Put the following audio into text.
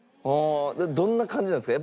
どんな感じなんですか？